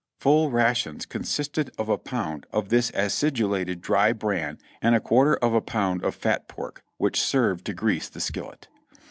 Full rations consisted of a pound of this acidulated dry bran and a quarter of a pound of fat pork, which served to grease the skillet.